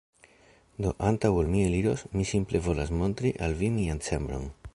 Do, antaŭ ol mi eliros, mi simple volas montri al vi mian ĉambron